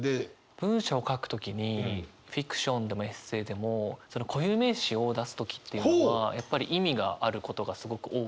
文章を書く時にフィクションでもエッセーでも固有名詞を出す時っていうのはやっぱり意味があることがすごく多くて。